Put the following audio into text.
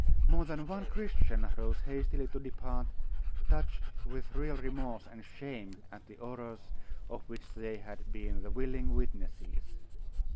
More than one Christian rose hastily to depart, touched with real remorse and shame at the horrors of which they had been the willing witnesses.